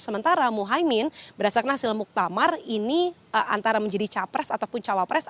sementara muhaymin berdasarkan hasil muktamar ini antara menjadi capres ataupun cawapres